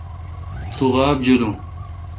تو غابہ جولون۔